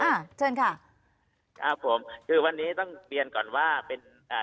อ่าเชิญค่ะครับผมคือวันนี้ต้องเรียนก่อนว่าเป็นอ่า